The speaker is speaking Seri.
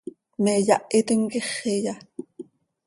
¿Me yáhitim quíxiya?